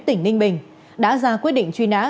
tỉnh ninh bình đã ra quyết định truy nã